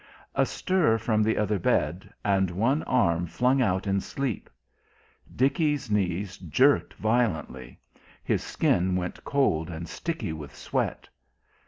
A stir from the other bed, and one arm flung out in sleep. Dickie's knees jerked violently his skin went cold and sticky with sweat.